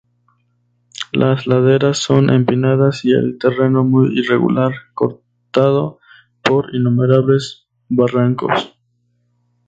Las laderas son empinadas y el terreno muy irregular, cortado por innumerables barrancos.